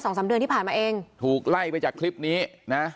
สามเดือนที่ผ่านมาเองถูกไล่ไปจากคลิปนี้นะ